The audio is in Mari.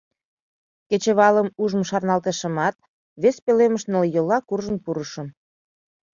— Кечывалым ужмым шарналтышымат, вес пӧлемыш нылйола куржын пурышым.